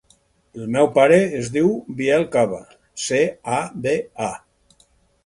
El meu pare es diu Biel Caba: ce, a, be, a.